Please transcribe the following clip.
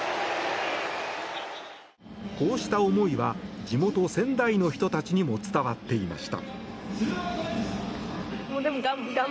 こうした思いは地元・仙台の人たちにも伝わっていました。